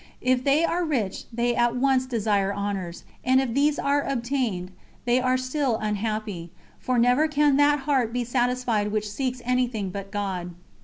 "If they are rich, they at once desire honours; and if these are obtained, they are still unhappy; for never can that heart be satisfied which seeks anything but God."